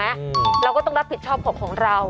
อืมเราก็ต้องรับผิดชอบของเรา